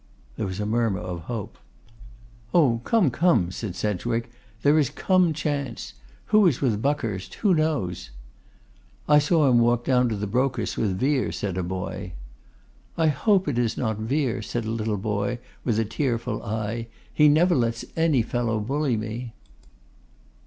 There was a murmur of hope. 'Oh! come, come,' said Sedgwick, 'there is come chance. Who is with Buckhurst; who knows?' 'I saw him walk down to the Brocas with Vere,' said a boy. 'I hope it is not Vere,' said a little boy, with a tearful eye; 'he never lets any fellow bully me.